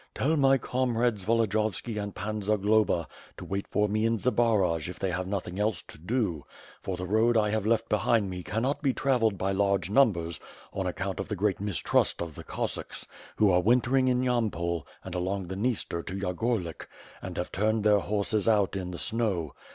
Tell my comrades, Volodiyovski and Pan Zagloba, to wait for me in Zbaraj if they have nothing else to do; for the road I have left behind me cannot be travelled by large numbers on account of the great mistrust of the Cossacks, who are wintering in Yampol and along the Dniester to Ya gorlik, and have turned their horses out in the snow.